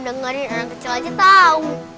dengerin anak kecil aja tau